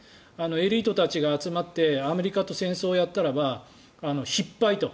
エリートたちが集まってアメリカと戦争をやったらば必敗と。